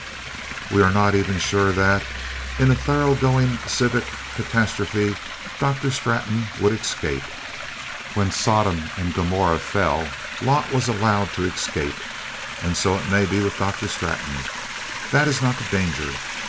We are not even sure that, in a thoroughgoing civic catastrophe, Dr. Straton would escape. When Sodom and Gomorrah fell Lot was allowed to escape. And so it may be with Dr. Straton. That is not the danger.